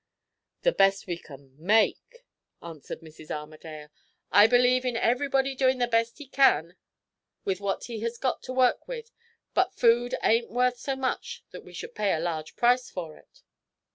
"The best we can make," answered Mrs. Armadale; "I believe in everybody doin' the best he kin with what he has got to work with; but food ain't worth so much that we should pay a large price for it."